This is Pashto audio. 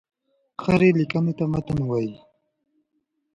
هري ليکني ته متن وايي.